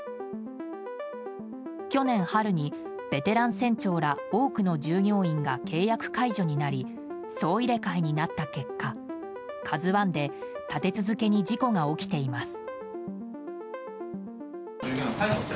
去年春に、ベテラン船長ら多くの従業員が契約解除になり総入れ替えになった結果「ＫＡＺＵ１」で立て続けに事故が起きています。